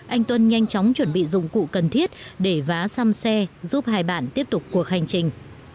anh tuân nhanh chóng chuẩn bị dụng cụ cần thiết để vá xăm xe giúp hai bạn tiếp tục cuộc hành trình